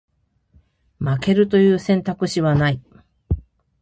負けるという選択肢はない